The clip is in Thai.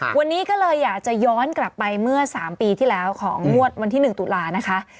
วันนี้ก็เลยอยากจะย้อนกลับไปเมื่อ๓ปีที่แล้วของงวดวันที่๑ตุลานะคะ